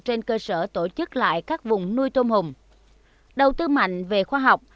trên cơ sở tổ chức lại các vùng nuôi tôm hùm đầu tư mạnh về khoa học